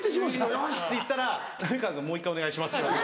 「よし！」って言ったら「浪川君もう１回お願いします」。